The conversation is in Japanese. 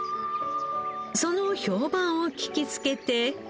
その評判を聞きつけて。